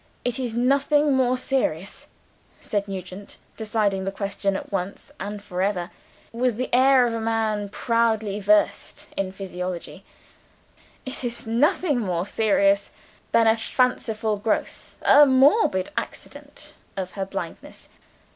It is nothing more serious," said Nugent, deciding the question, at once and for ever, with the air of a man profoundly versed in physiology "it is nothing more serious than a fanciful growth, a morbid accident, of her blindness.